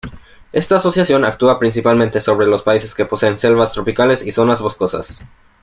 Esta asociación actúa principalmente sobre los países que poseen selvas tropicales y zonas boscosas.